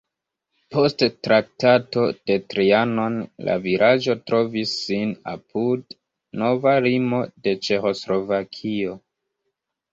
Post Traktato de Trianon la vilaĝo trovis sin apud nova limo de Ĉeĥoslovakio.